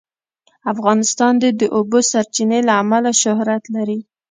افغانستان د د اوبو سرچینې له امله شهرت لري.